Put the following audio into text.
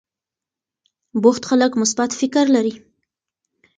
بوخت خلک مثبت فکر لري.